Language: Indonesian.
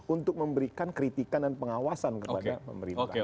untuk memberikan kritikan dan pengawasan kepada pemerintah